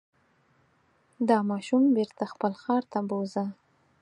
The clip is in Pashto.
دا ماشوم بېرته خپل ښار ته بوځه.